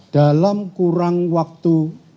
dalam kurang waktu